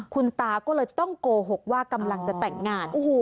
คุณตาก็เลยต้องโกหกว่ากำลังจะแต่งงาน